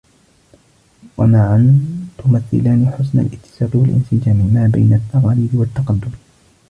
ومعاً تمثلان حسن الاتساق والانسجام ما بين التقاليد والتقدم.